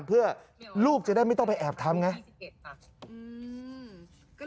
เพื่อลูกจะได้ไม่ต้องไปแอบทำไงอืมก็เลย